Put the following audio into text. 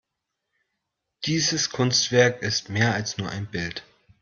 Dieses Kunstwerk ist mehr als nur ein Bild.